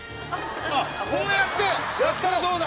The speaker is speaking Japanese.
こうやってやったらどうだ？